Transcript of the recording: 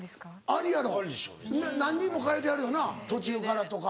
ありやろ何人も変えてはるよな途中からとか。